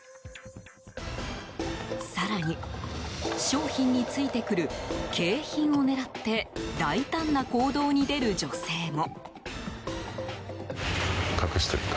更に、商品についてくる景品を狙って大胆な行動に出る女性も。